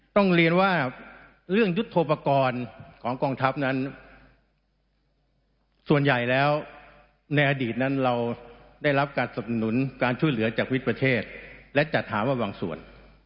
ต้องเรียนว่าเรื่องยุทธโปรกรณ์ของกองทัพนั้นส่วนใหญ่แล้วในอดีตนั้นเราได้รับการสับหนุนการช่วยเหลือจากวิทย์ประเทศและจัดหามาบางส่วน